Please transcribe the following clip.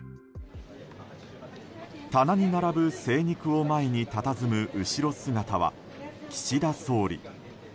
棚に並ぶ精肉を前にたたずむ後ろ姿は岸田総理。